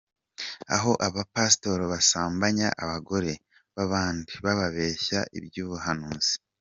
Aho aba Pastor basambanya abagore babandi bababeshya iby’ubuhanuzi.